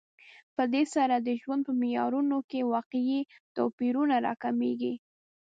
په دې سره د ژوند په معیارونو کې واقعي توپیرونه راکمېږي